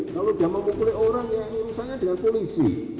kalau dia memukul orang ya lurusannya dengan polisi